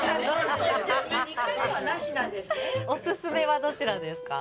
お薦めはどちらですか？